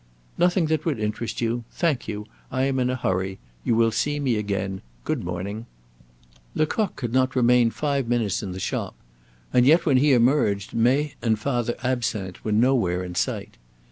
"Nothing that would interest you. Thank you. I am in a hurry. You will see me again; good morning." Lecoq had not remained five minutes in the shop: and yet, when he emerged, May and Father Absinthe were nowhere in sight.